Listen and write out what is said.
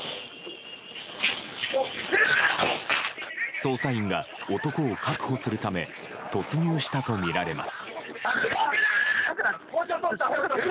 捜査員が男を確保するため突入したとみられます。